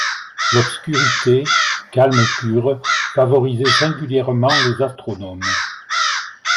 L’obscurité, calme et pure, favorisait singulièrement les astronomes.